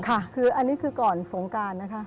ค่ะคืออันนี้คือก่อนสงการนะคะ